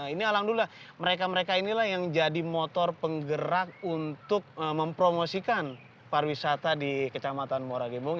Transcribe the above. ini alhamdulillah mereka mereka inilah yang jadi motor penggerak untuk mempromosikan pariwisata di kecamatan muara gembong